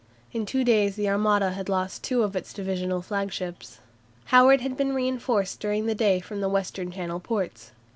In two days the Armada had lost two of its divisional flagships. Howard had been reinforced during the day from the Western Channel ports.